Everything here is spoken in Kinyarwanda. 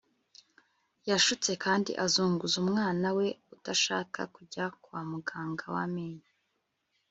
Yashutse kandi azunguza umwana we udashaka kujya kwa muganga wamenyo